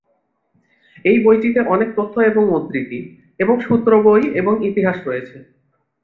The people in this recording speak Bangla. এই বইটিতে অনেক তথ্য এবং উদ্ধৃতি এবং সূত্র বই এবং ইতিহাস রয়েছে।